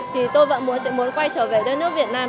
thì tôi vẫn muốn sẽ muốn quay trở về đất nước việt nam